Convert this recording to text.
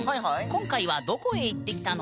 今回はどこへ行ってきたの？